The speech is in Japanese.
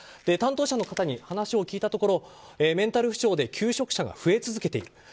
担当者の方に話を聞いたところメンタル不調で求職者が増え続けている。